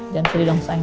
ya allah aku konstruksi